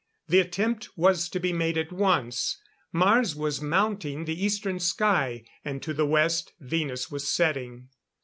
The attempt was to be made at once. Mars was mounting the eastern sky; and to the west, Venus was setting.